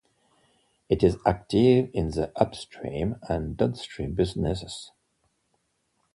It is active in the Upstream and Downstream businesses.